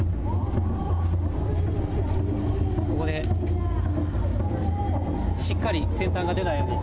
ここで、しっかり、先端が出ないように。